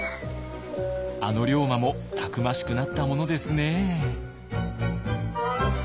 あの龍馬もたくましくなったものですね。